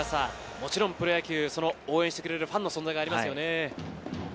もちろんプロ野球、応援してくれるファンの存在がありますよね。